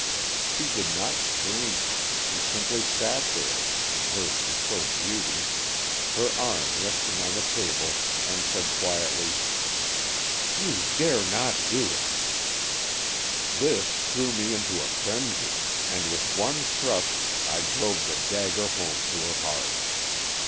She did not scream, she simply sat there—in her superb beauty—her arm resting on the table, and said quietly, 'You dare not do it!' "This threw me into a frenzy, and with one thrust I drove the dagger home to her heart.